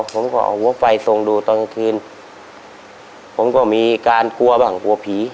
ผมก็เอาหัวไฟทรงดูตอนกลางคืนผมก็มีการกลัวบ้างกลัวผี